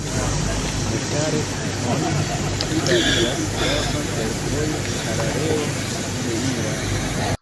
Mutare-on trairas grava fervojo Harareo-Beira.